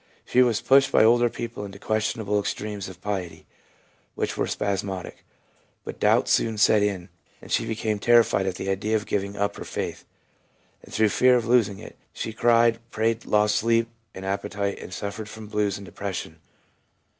She was pushed by older people into questionable extremes of piety, which were spasmodic. But doubts soon set in, and she became terrified at the idea of giving up her faith ; and through fear of losing it, she cried, prayed, lost sleep and appetite, and suffered from blues and depression.